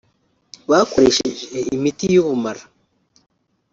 bakoresheje imiti y’ubumara